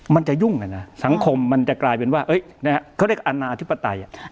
มันจะยุ่งนะสังคมมันจะกลายเป็นว่าเขาเรียกอนาธิปไตย